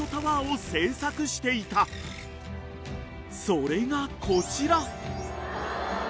［それがこちら］